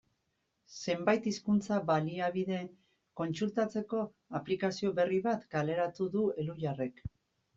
Zenbait hizkuntza-baliabide kontsultatzeko aplikazio berri bat kaleratu du Elhuyarrek.